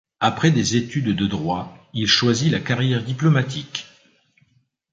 Après des études de droit il choisit la carrière diplomatique.